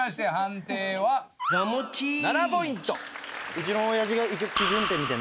・うちの親父が一応。